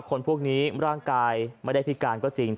คนพวกนี้ร่างกายไม่ได้พิการก็จริง